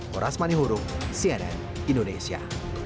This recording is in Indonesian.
horas manihurung cnn indonesia